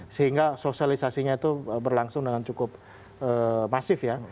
sehingga sosialisasinya itu berlangsung dengan cukup masif ya